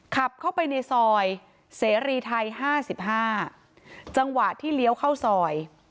ขับเข้าไปในซอยเสรีไทย๕๕จังหวะที่เลี้ยวเข้าซอย